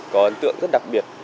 có ấn tượng rất đặc biệt